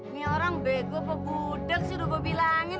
ini orang bego apa budak sih udah aku bilangin